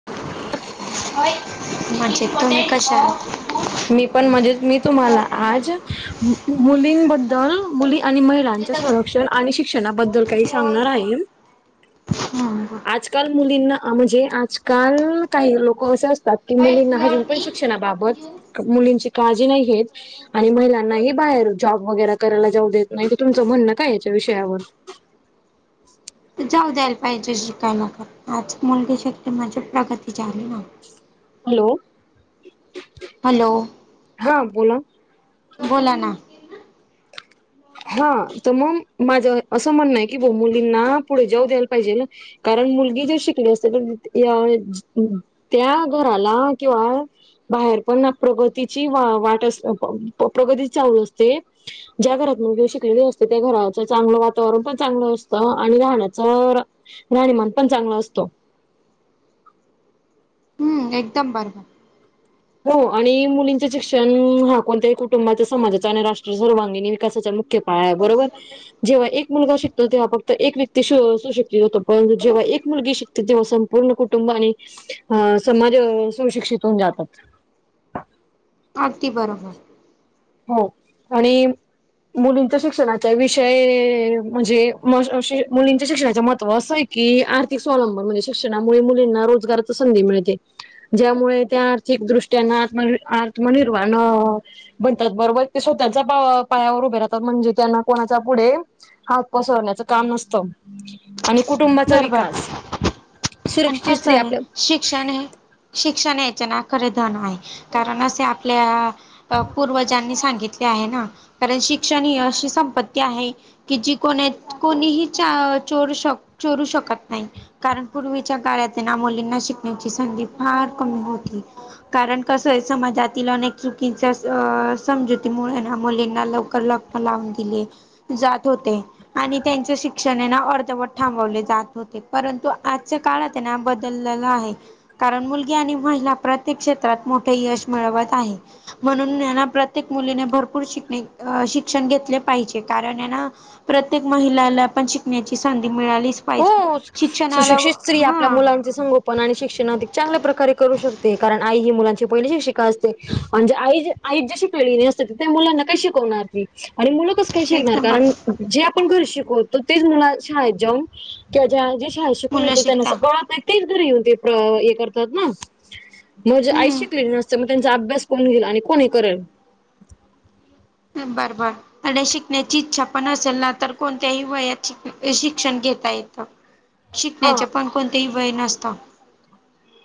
[inaudible] [unintelligible] मी पण म्हणजे मी तुम्हाला आज मुलींनबद्दल मुली आणि महिला. संरक्षण आणि शिक्षणाबद्दल काही सांगणार आहे. हं, बरं. आजकाल मुलींना म्हणजे, आजकाल काही लोक असे अस की मुलींना अजून पण शिक्षणाबाबत मुलींची काळजी नाही घेत. आणि महिलांनाही बाहेर जॉब वगैरे करायला जाऊ देत नाही, तर तुमच म्हणण काय याच्या विषयावर. जाऊ द्यायला पाहिजे शिकायला पण आज मुलगी शकली म्हणजे प्रगती झाली ना. हॅलो. हॅलो. हां बोला. बोला ना. हा तर मग माझ अस म्हणण आहे की, मुलींना पुढे जाऊ द्यायला पाहिजे. कारण मुलगी जर शिकली असती तर या त्या घराला किंवा बाहेर पण प्रगतीची वा वाट अस प्रगती चालू असते. ज्या घरात. मुलगी शिकलेली असते, त्या घराच चांगल वातावरण पण चांगल असत आणि राहण्याच राहणीमान पण चांगला असतो. हम् एकदम बरोबर. हो आणि मुलींच शिक्षण हा कोणत्याही कुटुंबाचा समाजाचा आणि राष्ट्र सर्वांगीण विकासाचा. की पाया बरोबर. जेव्हा एक मुलगा शिकतो, तेव्हा फक्त एक व्यक्ती सुशिक्षित होतो, पण जेव्हा एक मुलगी शि ते तेव्हा संपूर्ण कुटुंब आणि समाज सुशिक्षित होऊन जातात. [inaudible] अगदी बरोबर. हो आणि. मुलींच्या शिक्षणाचा विषय म्हणजे मुलींच्या शिक्षणाच महत्त्व असय की आर्थिक स्वावलंबन म्हणजे शिक्षणामुळे मुलींना रोजगाराची संधी मिळते. ज्यामुळे त्या आर्थिकदृष्ट्यान आत्म आत्मनिर्वाण बनतात, बरोबर ते स्वतःच्या पाय पायावर उभे राहतात, म्हणजे त्यांना कोणाच्या पुढे हात पसरण्याच काम नसत, आणि कुटुंबाचा विकास. आणि सुरक्षित स्त्री असाय आपल्या शिक्षण हे शिक्षणयाच्या ना खरे धन हाय, कारण असे आपल्या अ, पूर्वजांनी सांगितले आहे ना, कारण शिक्षण ही अशी संपत्ती आहे. कि, जी कोण हाईत, कोणीही चोरू शक चोरू शकत नाही, कारण पूर्वीच्या काळात हे ना मुलींना शिकण्याची संधी फार कमी होती. कारण कसं हाय, समाजातील अनेक चुकीच्या समजुती मुळे मुलींना लवकर लग्न लावून दिले. जात होते, आणि त्यांच शिक्षण हे ना अर्धवट थांबवले जात होते परंतु. आजचा काळ आता ना, बदललेला आहे. कारण मुलगी आणि महिला प्रत्येक क्षेत्रात मोठे यश मिळवत आहे. म्हणून याना प्रत्येक मुलीने भरपूर शिकणे, शिक्षण घेतले पाहिजे कारण याना प्रत्येक महिलाला पण शिकण्याची संधी मिळालीच पाहिजे. हो शिक्षणाला सुशिक्षित स्त्री आपल्या हा मुलांन संगोपन आणि शिक्षण अधिक चांगल्या प्रकारे करू शकते, कारण आई ही मुलांची पहिली शिक्षिका असते. म्हणजे आई जर आईच जशी शिकलेली नाही असते, त्या मुलांना काही शिकवणार ती, आणि मुलं कस काय शिकणार,, एकदम बर कारण जे आपण घरी शिकवतो तेच मुलं शाळेत जाऊन त्येजा विषया शिकून मुलं येतो, त्यांना शिकता सगळ तेच घरी येऊन हे करतात ना. म्हजे, आई हम्म. शिकलेली नसते. मग त्यांचा अभ्यास कोण घेल आणि कोण हे करेल? बर, बर. आणि शिकण्याची इच्छा पण असेल ना, तर कोणत्याही वयात शिक्षण घेता येतं. [unintelligible] शिकण्याचे पण कोणतेही वय नसत.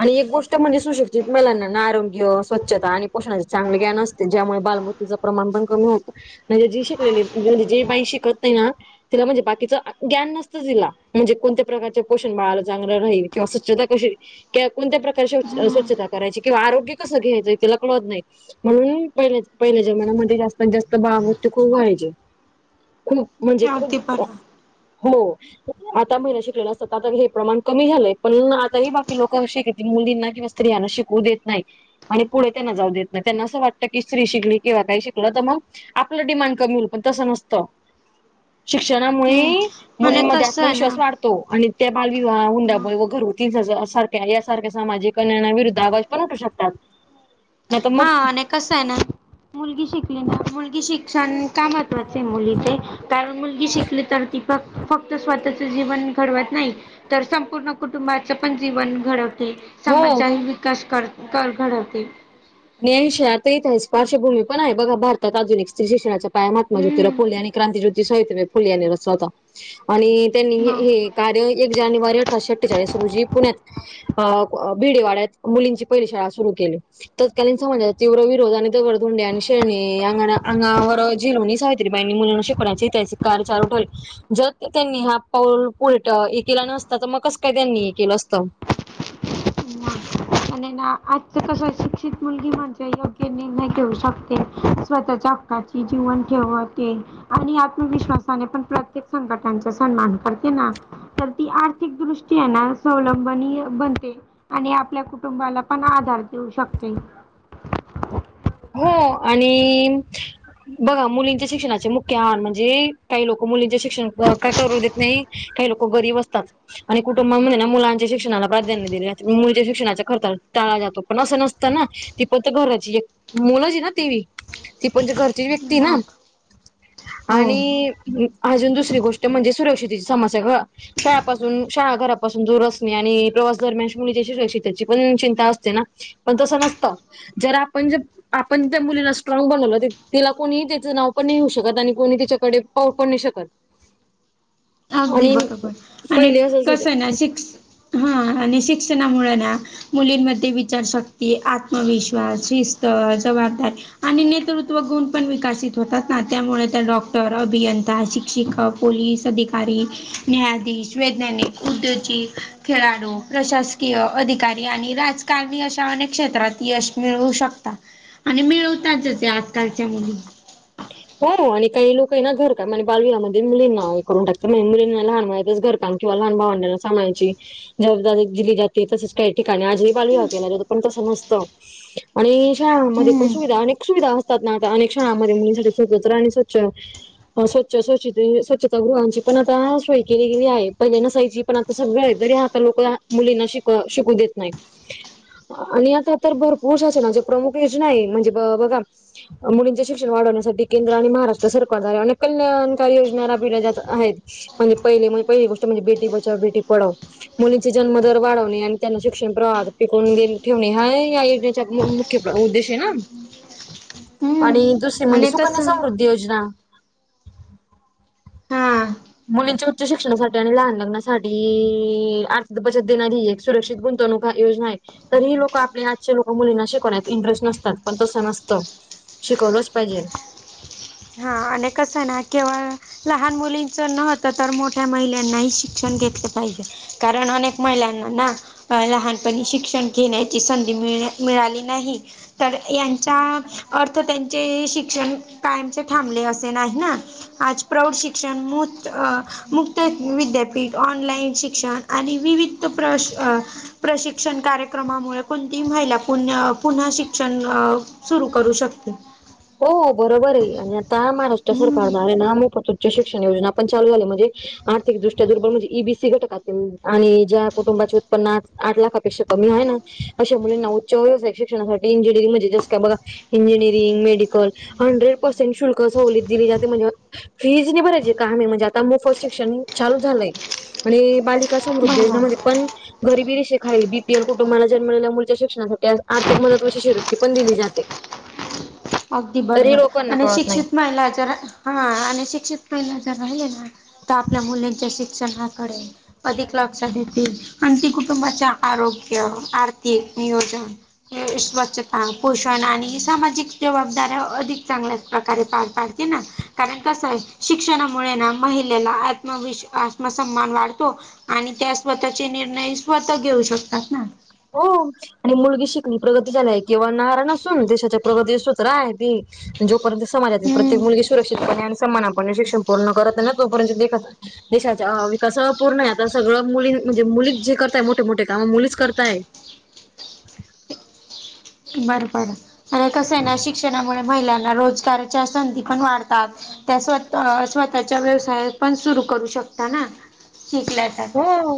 आणि एक गोष्ट म्हणजे सुशिक्षित महिलांना आरोग्य स्वच्छता आणि पोषणाचे चांगले ज्ञान असते, ज्यामुळे बालमृत तिचं प्रमाण पण कमी होत, म्हजे जे शिकलेले म्हजे जे बाई शिकत नाही ना. तिला म्हणजे बाकीचं ज्ञान नसतं तिला, म्हणजे कोणत्या प्रकारचे पोषण बाळाला चांगलं राहील. किंवा स्वच्छता कशी त्या कोणत्या प्रकारे स् हम्म स्वच्छता करायची किंवा आरोग्य कसं घ्यायचं तिला कळत नाही. म्हणून पहिल्या, पहिल्या जमान्यामध्ये जास्तात -जास्त बाळ मुर्त्यू खूप व्हायचे. [unintelligible] अगदी बरोबर हो, आता मुल शिकलेल असत्यात का तर हे प्रमाण कमी झालंय, पण आता ही बघ की लोक शि,, मुलींना किंवा स्त्रियाना शिकू देत नाहीत. आणि पुढे त्यांना जाऊ देत नाही, त्यांना असं वाटतं की स्त्री शिकली किंवा काही शिकलं तर मग. आपलं डिमांड कमी होईल, पण तसं नसतं. शिक्षणामुळे हम्म आणि मुलींमध्ये कसं आहे ना आत्मविश्वास वाढतो, आणि त्या बालविवाह हुंडाबळी व घरगुती जाच. या सारख्या सामाजिक निर्णय विरुद्ध आवाज पण उठू शकतात. नाही तर मग कस आहे ना. मुलगी शिकली ना, मुलगी शिक्षण का महत्त्वाच आहे मुलीचे, कारण मुलगी शिकली तर ती फक्त स्वतःच जीवन घडवत नाही. तर संपूर्ण कुटुंबाच पण जीवन घडवते. हो समाजचाही विकास कर, कर घडवते. न्याय विषय आजही पार्शवभूमी पण आहे, बघा भारतात आधुिक स्त्री शिक्षणाच्या महात्मा ज्योतिराव हम्म फुले आणि क्रांती ज्योती सावित्रीबाई फुले यांनी रचला होता. आणि त्यांनी मग हे कार्य एक जानेवारी अठराशे- अठ्ठेचाळीस रोजी पुण्यात अ, बिडेवाड्यात मुलींची पहिली शाळा सुरु केली. तत्कालीन समाजात तीव्र विरोध आणि त्या दगड -धोंडे आणि शेरणींग अंगावर जिलवर्णीतं साहित्य तीबाणी म्हणून शिकवण्याचे त्याचे कार्य चालू ठेवले. जर त्यांनी हा पाऊल पुलट हे केला नसता, तर मग कसं काय त्यांनी हे केलं असतं. मग आणि ना आजचं कसं शिक्षित मुलगी म्हणजे योग्य निर्णय घेऊ शकते स्वतःच्या काची जीवन ठेवावती. आणि आत्मविश्वासाने पण प्रत्येक संकटाचा सामना करते ना. तर ती आर्थिक दृष्टीया ना स्वालंबनी बनते आणि आपल्या कु टुंबाला पण आधार देऊ शकते. हो आणि बघा मुलींच्या शिक्षणाचे मुख्य आान म्हणजे काही लोक मुलींचे शिक्षण काय करू देत नाही. काही लोक गरीब असतात. आणि कुटुंबामध्ये ना मुलांच्या शिक्षणाला प्राधान्य दिले मुलींच्या शीक्षणाचा खर्च टाळला जातो पण असं नसतं ना. ती पण त्या घराची एक मुलच हीना तीवी. ती पण घर ती व्यक्ती ना, मग हो आणि अजून दुसरी गोष्ट म्हणजे सुरक्षितेची समस्या गं. शाळापासून शाळा घरापासून दूर असणे आणि प्रवास दरम्यान मुलीच्या शरक्षितची पण चिंता असते ना. पण तसं नसत जर आपण ज आपण त्या मुलीला स्ट्राग बनवलं तिला कोणी त्याचं नाव पण नाही घेऊ शकत आणि कोणी तिच्याकडे पाहू पण नाही शकत. [inaudible] अगदी आणि बरोबर आणि पहिले असंच कसं हायना शिक् हा आणि शिक्षणामुळे ना मुलींमध्ये विचारशक्ती, आत्मविश्वास, शिस्त, जबाबदाऱ्या आणि नेतृत्वगुण पण विकासित होतात ना, त्यामुळे त्या डॉक्टर, अभियंता, शिक्षिक पोलीस अधिकारी, न्यायाधीश, वैज्ञानिक, उद्योजिक, खेळाडू, प्रशासकीय अधिकारी आणि राज काल मी अशा अनेक क्षेत्रात यश मिळवू शकता. आणि मिळवताच आजकालच्या मुली. हो, आणि काही लोक आहे ना घरकाम, बालविवाह मध्ये मुलींना हे करून टाकते. मुलींना लहान वयातच घर [unintelligible] किंवा लहान भावडांना सांभाळायची. जबाबदारी दिली जाते. तसेच काही ठिकाणी आजही बालविवाह केला जातो, पण तसं नसतं. आणि शाळांमध्ये पण हम्म सुविधा अनेक सुविधा असतात ना, आता अनेक शाळाांमध्ये मुलींसाठी [unintelligible] आणि स्वच्छ स्वच्छ स्वच्छ स्वच्छता गृहाची पण आता सोय केली गेली आहे. पहिले नसायची पण आ सगळं हाय तरी आता लोक मुलींना शिक शिकू देत नाहीत. आणि आता तर भरपूर शासनाचे प्रमुख योजना आहे म्हणजे बघा मुलींचे शिक्षण वाढवण्यासाठी केंद्र आणि महाराष्ट्र सरकार द्वारा अनेक कल्याणकारी योजना राबविल्या जात आहेत. म्हणजे पहिले पहिली गोष्ट म्हणजे बेटी बचाव बेटी पढाव. मुलींचे जन्मदर वाढवणे आणि त्यांना शिक्षण प्रवाह टिकून ठेवणे हा या योजनेच्या उद्देश हाय ना? आणि दुसरी हम्म म्हणजे आणि सुकन्या कसं समृद्धी योजना. हा मुलींच्या उच्च शिक्षणासाठी आणि लहान लग्नासाठी अर्थ बचत देणारी एक सुरक्षित गुंतवणूक हा योजना आहे. तरीही लोक आपले आजची लोक मुलींना शिकवण्यात इंटरेस्ट नसतात पण तसं नसतं. शिकवलच पाहिजे. हा आणि कसं आहे ना केवळ लहान मुलींच नव्हतं तर मोठ्या महिलांनाही शिक्षण घेतले पाहिजे. कारण अनेक महिलांना ना अ लहानपणी शिक्षण घेण्याची संधी मिळ मिळाली नाही. तर यांचा अर्थ त्यांचे, शिक्षण कायम थांबले असे नाही ना, आज प्रौढ शिक्षण मुत आ मुक्त विद्यापीठ, ऑनलाइन शिक्षण, आणि विविध प्रश प्रशिक्षण कार्यक्रमामुळे कोणतीही महिला पु पुन्हा शिक्षण अ. सुरू करू शकतोय. हो बरोबर आहे, आणि आता महाराष्ट्र सरकार हम्म द्वारे ना, मोफत शिक्षण योजना पण चालू झालं मध्ये. आर्थिकदृष्ट्या दुर्बल म्हणजे, ई. बी. सी घटकातील आणि ज्या कुटुंबाचे उत्पन्ना आठ लाखापेक्षा कमी आहे ना. अश मुलींना उच्च व्यवसायिक शिक्ष, इंजिनिअरिंग, म्हणजे जस काय बघा इंजिनिरिंग मेडि कल हंड्रेड पसेंट शुल्क सवलत दिली जाते, म्हणजे फी हीजी नाही भरायची, का हामी म्हणजे आता मोफ़त शिक्षण चालू झालंय. पण हे बालिका समृद्धी बरोबर योजनामध्ये पण गरिबी रिशखाईल बी. पी. एल. कुटुंबाला जन्मलेल्या मुलीच्या शिक्षणासाठी आज आर्थिक मदत व शिश्यवृत्ती पण दिली जाते. अगदी तरी बरबर, लोकांना आणि कळत नाही शिक्षित महिलाच्या ना, हां आणि शिक्षित महिलाच्या राहिल्या ना का आपल्या मूल्यांच्या शिक्षणाकडे. अधिक लक्ष देतील, आणि ती कुटुंबाच्या आरोग्य आर्थिक नियोजन स्वच्छता, पोषण, आणि सामाजिक. जबाबदाऱ्या अधिक चांगल्याच प्रकारे पार पाडते ना, कारण कसं आहे शिक्षणामुळे ना. महिलेला आत्मविश्वास, आत्मसम्मान वाढतो. आणि त्या स्वतःचे निर्णय स्वतः घेऊ शकतात ना. हो. आणि मुलगी शिकली प्रगती झाली. आहे किंवा नाऱ्या असून देशाच्या प्रगती सूत्र आहे ती. जोपर्यंत समाजातील हम्म प्रत्येक मुलगी सुरक्षितपणे आणि सम्मानापणे शिक्षण पूर्ण करते ना तोपर्यंत देख देशाच्या विकास पूर्ण आहे आता, सगळं मुली म्हणजे मुली जे करताय मोठे-मोठे काम मुलीच करत तायत. बरबर, आणि कसंय ना शिक्षणामुळे महिलांना रोजगाराच्या संधी पण वाढतात. त्या स्वतः-स्वतःच्या व्यवसायात पण सुरू करू शकता ना शिकल्यात हो,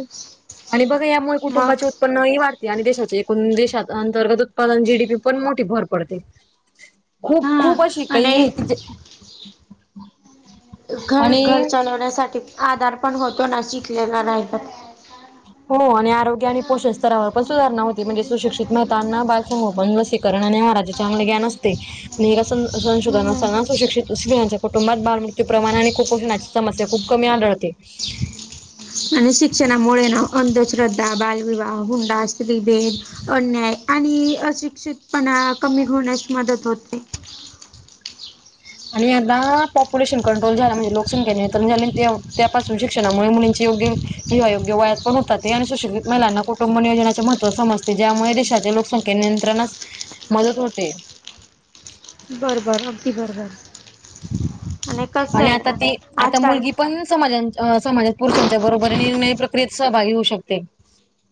आणि बघा यामुळे मग कुटुंबाचे उत पण ई वाढते, आणि देशाचे एकूण देशात, अंतर्गत उत्पादन जी. डी. पी. पण मोठी भर पडते. हा खूप-खूप अशी आणि काहीही की जे घर-घर आणि चालवण्यासाठी आधार पण होतो ना, शिकलेला राहिल तर. हो आणि आरोग्य आणि पोषण स्तरावर पण सुधारणा होती. म्हणजे सुशिक्षित महितांना बाय संगोपन लसीकरण, आणि माराचे चांगले ग्यान असते, मी एक असण संशोधना हम्म. अस्ताना सुशिक्षित स्त्रियांच्या कुटुंबात बालमृत्यू प्रमाण आणि, कुपोषणाची समस्या खूप कमी आढळते. आणि शिक्षणामुळे ना अंधश्रद्धा, बालविवाह, हुंडा, स्त्रीभेद अन्याय, आणि अशिक्षितपणा कमी होण्यास मदत होते. आणि आता पॉप्युलेशन कंट्रोल झाला, म्हणजे लोकसंख्याे निंत्रण झालं आणि त्या त्यापासून शिक्षणामुळे मुलींचे योग्य विवाह योग्य वयात पण होतात, ते आणि सुशिक्षित महिलांना कुटुंब नियोजनाचे महत्व समजते. ज्यामुळे देशाचे लोकसं- संख्या नियंत्रणास मदत होते. बरबर अगदी बरबर. आणि आता ती, आता मुलगी पण समाज्यांच्य हां समाजात पुरुषांच्या बरोबर निर्णय प्रक्रियेत सहभागी होऊ शकते.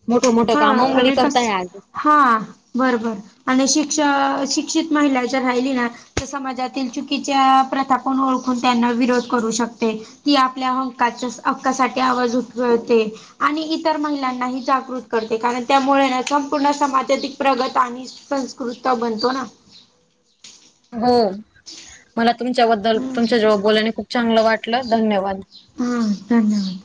मोठ-मोठ हा काम मुली आणि करताय कस आज. हा, बरबर आणि शिक्षण, शिक्षित महिलाच्या राहिली ना त समाजातील चुकीच्या प्रथा पण ओळखून त्यांना विरोध करू शकते. ती आपल्या हक्काच्या, हक्कासाठी आवाज उठवते. आणि इतर महिलांनाही जागृत करते. कारण त्यामुळे ना संपूर्ण समाज अधिक प्रगत आणि संस्कृत बनतो ना. हो, मला तुमच्याबद्दल हम्म तुमच्या जवळ बोल्याने खूप चांगलं वाटलं धन्यवाद. हां, धन्यवाद.